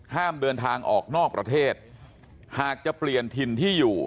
ห้ามเดินทางออกนอกประเทศหากจะเปลี่ยนถิ่นที่อยู่